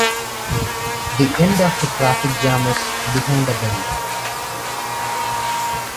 The end of the traffic jam is behind a bend.